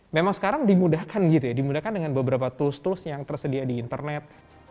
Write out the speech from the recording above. memang sekarang dimudahkan gitu ya dimudahkan dengan beberapa tools tools yang tersedia di internet